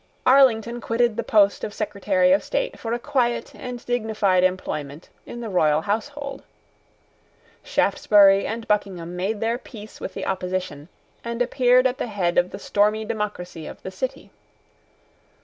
Arlington quitted the post of Secretary of State for a quiet and dignified employment in the Royal household. Shaftesbury and Buckingham made their peace with the opposition, and appeared at the head of the stormy democracy of the city.